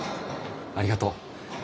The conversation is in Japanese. ありがとう。